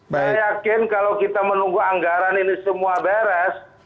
saya yakin kalau kita menunggu anggaran ini semua beres